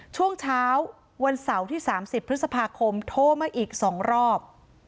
ช่วงเช้าวันเสาร์ที่๓๐พฤษภาคมโทรมาอีก๒รอบ